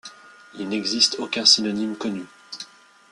Il n'existe aucun synonyme connu.